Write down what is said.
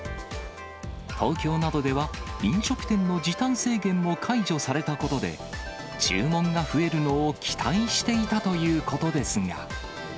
東京などでは飲食店の時短制限も解除されたことで、注文が増えるのを期待していたということですが。